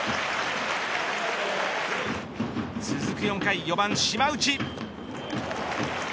続く４回、４番島内。